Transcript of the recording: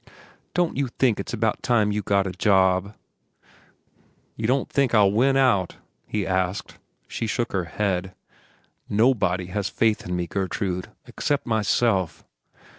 "Don't you think it's about time you got a job?" "You don't think I'll win out?" he asked. She shook her head. "Nobody has faith in me, Gertrude, except myself."